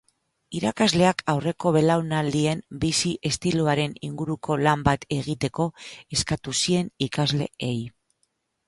Irakasleak aurreko belaunaldien bizi estiloaren inguruko lan bat egiteko eskatu zien ikasleei.